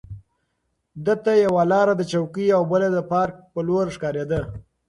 ده ته یوه لار د چوک او بله د پارک په لور ښکارېده.